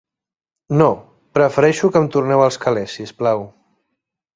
No, prefereixo que em torneu els calers, si us plau.